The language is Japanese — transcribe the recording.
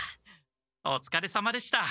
おつかれさまでした！